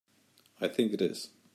I think it is.